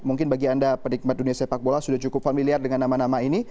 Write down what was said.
mungkin bagi anda penikmat dunia sepak bola sudah cukup familiar dengan nama nama ini